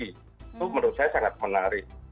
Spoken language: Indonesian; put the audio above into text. itu menurut saya sangat menarik